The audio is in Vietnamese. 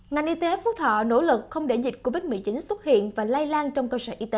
ngành y tế phú thọ nỗ lực không để dịch covid một mươi chín xuất hiện và lây lan trong cơ sở y tế